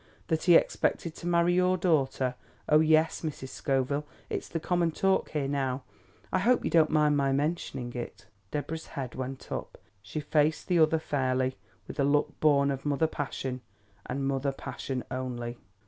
"That he expected to marry your daughter? Oh, yes, Mrs. Scoville; it's the common talk here now. I hope you don't mind my mentioning it." Deborah's head went up. She faced the other fairly, with the look born of mother passion, and mother passion only.